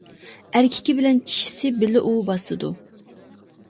ئەركىكى بىلەن چىشىسى بىللە ئۇۋا باسىدۇ.